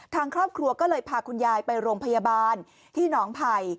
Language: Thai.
ทางครอบครัวก็เลยพาคุณยายไปโรงพยาบาลที่หนองไผ่